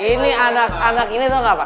ini anak anak ini tau ga apa